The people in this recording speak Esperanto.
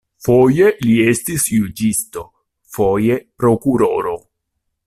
Foje li estis juĝisto, foje prokuroro.